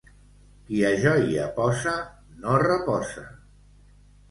Qui a joia posa, no reposa.